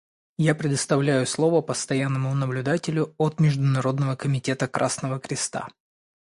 Я предоставляю слово Постоянному наблюдателю от Международного комитета Красного Креста.